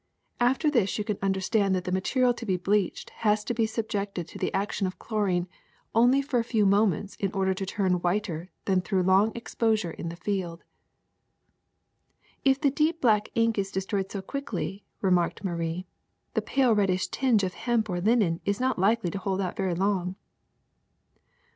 After this you can understand that the material to be bleached has to be subjected to the action of chlorine for only a few moments in order to turn whiter than through long exposure in the field.'' ''If the deep black of ink is destroyed so quickly,'' remarked Marie, ''the pale reddish tinge of hemp or linen is not likely to hold out very long.